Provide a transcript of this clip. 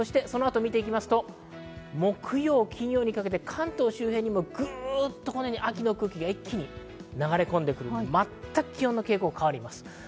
木曜、金曜にかけて、関東周辺にもグッと秋の空気が一気に流れ込んでくる全く気温の傾向が変わります。